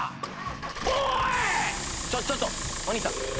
ちょっちょっとお兄さん。